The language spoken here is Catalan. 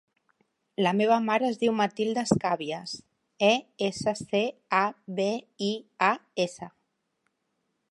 La meva mare es diu Matilda Escabias: e, essa, ce, a, be, i, a, essa.